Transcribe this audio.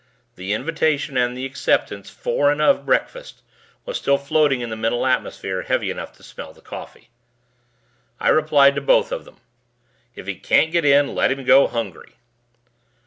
The invitation and the acceptance for and of breakfast was still floating in the mental atmosphere heavy enough to smell the coffee. I replied to both of them, "If he can't get in, let him go hungry."